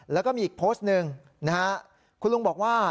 แล้วก็มีอีกโพสต์หนึ่งนะฮะคุณลุงบอกว่า